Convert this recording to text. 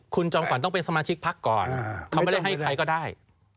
คุณจอมขวัญต้องเป็นสมาชิกพักก่อนเขาไม่ได้ให้ใครก็ได้